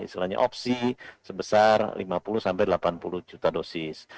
istilahnya opsi sebesar lima puluh sampai delapan puluh juta dosis